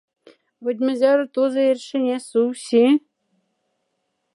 Вдь мзяра тоза эрь шиня сувси?